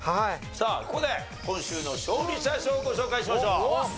さあここで今週の勝利者賞をご紹介しましょう。